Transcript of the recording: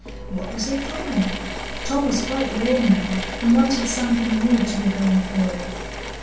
What was he drawing? Tom was quite warm now, and wanted something new to be going forward.